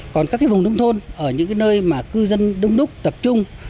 còn các vùng nông thôn ở những nơi mà cư dân đông đúc tập trung